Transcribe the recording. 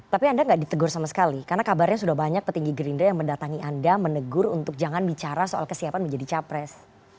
tapi anda nggak ditegur sama sekali karena kabarnya sudah banyak petinggi gerindra yang mendatangi anda menegur untuk jangan bicara soal kesiapan menjadi capres